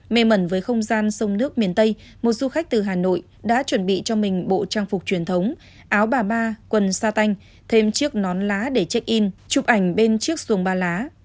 mê mẩn với không gian sông nước miền tây một du khách từ hà nội đã chuẩn bị cho mình bộ trang phục truyền thống áo bà ba quần xa tanh thêm chiếc nón lá để check in chụp ảnh bên chiếc xuồng ba lá